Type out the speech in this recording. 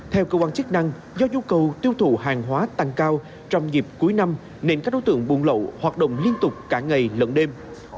theo cơ quan chức năng do nhu cầu tiêu thụ hàng hóa tăng cao trong dịp cuối năm nên các đối tượng buôn lậu hoạt động liên tục cả ngày lẫn đêm